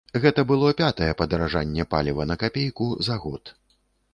Гэта было пятае падаражанне паліва на капейку за год.